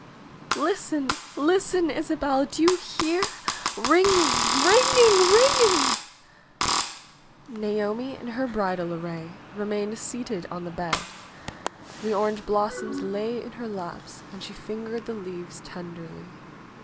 "Listen ! Listen, Isabel ! Do you hear ? Kinging — ringing — ringing I" Naomi, in her bridal array, remained seated on the bed. The orange blossoms lay in her laps and she fingered the leaves tenderly.